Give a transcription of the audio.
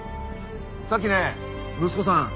さっきね息子さん